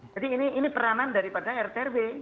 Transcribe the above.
jadi ini peranan daripada rtrw